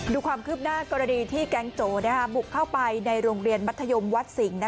ดูความคืบหน้ากรณีที่แก๊งโจบุกเข้าไปในโรงเรียนมัธยมวัดสิงห์